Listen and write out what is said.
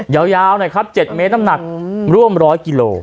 ยาวหน่อยครับ๗เมตรน้ำหนักร่วม๑๐๐กิโล